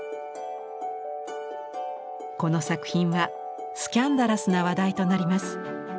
この作品はスキャンダラスな話題となります。